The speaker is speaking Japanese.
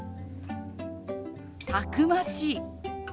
「たくましい」。